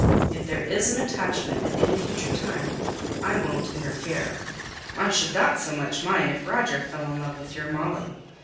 If there's an attachment at any future time, I won't interfere." "I shouldn't so much mind if Roger fell in love with your Molly.